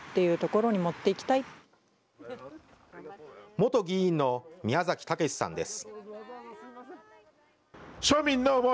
元議員の宮崎岳志さんです。